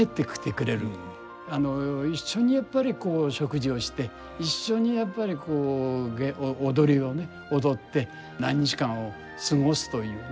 一緒にやっぱり食事をして一緒にやっぱり踊りをね踊って何日間を過ごすというね。